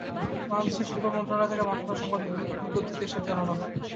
বাংলাদেশের শিল্প মন্ত্রণালয় থেকে পাঠানো সংবাদ বিজ্ঞপ্তিতে এসব বিষয়ে জানানো হয়।